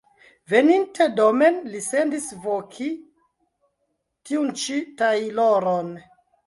Veninte domen li sendis voki tiun ĉi tajloron.